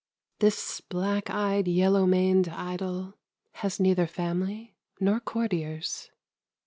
TIMS black eyed, yellow maned idol has neither family nor courtiers.